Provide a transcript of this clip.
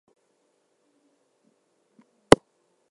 Some portions with Norwegian spoken dialogue are subtitled in English.